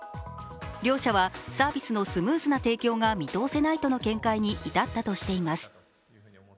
両社は、サービスのスムーズな提供が見通せないとの見解にいたったとしています。